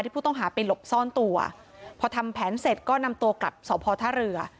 ผู้ต้องหาไปหลบซ่อนตัวพอทำแผนเสร็จก็นำตัวกลับสอบพอท่าเรือ